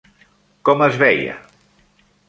Com es veia?